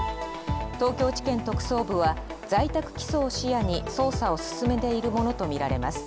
東京地検特捜部は、在宅起訴を視野に捜査を進めているものとみられます。